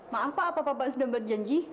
maaf pak apa pak sudah berjanji